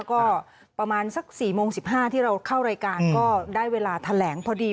ก็ประมาณสัก๔โมง๑๕ที่เราเข้ารายการก็ได้เวลาแถลงพอดี